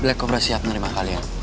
black kompreh siap menerima kalian